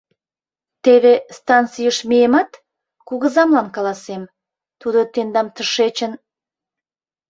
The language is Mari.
Теве станцийыш миемат, кугызамлан каласем, тудо тендам тышечын...